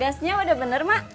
gasnya udah bener mak